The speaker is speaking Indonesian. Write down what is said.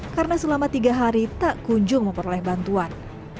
karena selama tiga hari tak kunjung memperoleh bantuan